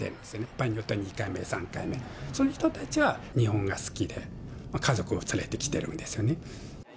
場合によっては２回目、３回目、その人たちは日本が好きで、家族を連れてきてるんですよね。